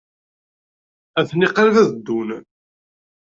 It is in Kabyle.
Atni qrib ad ddun.